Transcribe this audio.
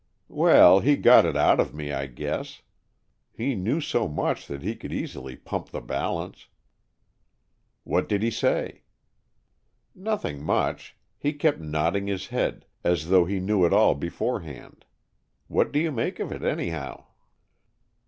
"Well, he got it out of me, I guess. He knew so much that he could easily pump the balance." "What did he say?" "Nothing much. He kept nodding his head, as though he knew it all beforehand. What do you make of it, anyhow?"